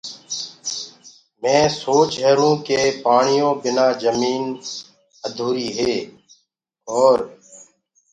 مينٚ سوچهيرو ڪي پآڻيو بنآ جمين اڌوريٚ هي اور